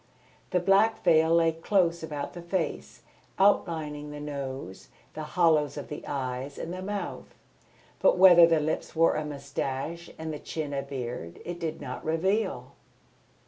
The black veil lay close about the face, outlining the nose, the hollows of the eyes and the mouth; but whether the lips wore a moustache and the chin a beard, it did not reveal.